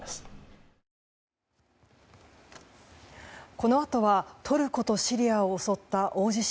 このあとはトルコとシリアを襲った大地震。